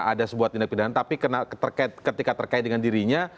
ada sebuah tindak pidana tapi ketika terkait dengan dirinya